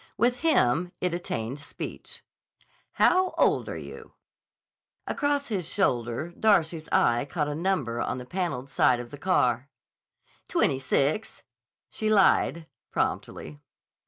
With him it attained speech. "How old are you?" Across his shoulder Darcy's eye caught a number on the paneled side of the car. "Twenty six," she lied promptly.